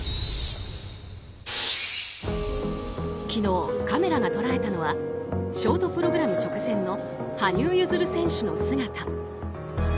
昨日、カメラが捉えたのはショートプログラム直前の羽生結弦選手の姿。